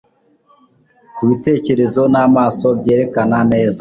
Kubitekerezo n'amaso byerekana neza